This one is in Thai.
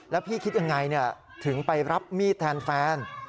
แล้วพี่คิดยังไงถึงไปรับมีดแทนแฟน